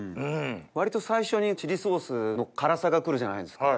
割と最初にチリソースの辛さが来るじゃないですか。